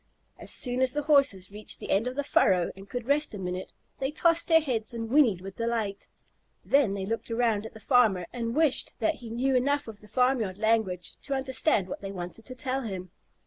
As soon as the Horses reached the end of the furrow and could rest a minute, they tossed their heads and whinnied with delight. Then they looked around at the farmer, and wished that he knew enough of the farmyard language to understand what they wanted to tell him.